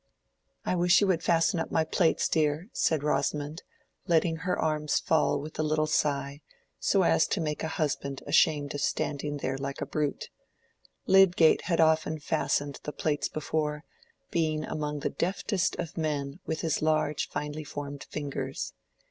"I wish you would fasten up my plaits, dear," said Rosamond, letting her arms fall with a little sigh, so as to make a husband ashamed of standing there like a brute. Lydgate had often fastened the plaits before, being among the deftest of men with his large finely formed fingers.